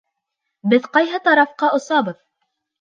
— Беҙ ҡайһы тарафҡа осабыҙ?